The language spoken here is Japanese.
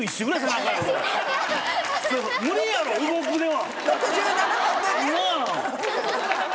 それ無理やろ「動く」では。